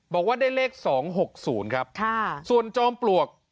บอกว่าได้เลข๒๖๐ครับส่วนจอมปลวก